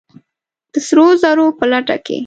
د سرو زرو په لټه کې!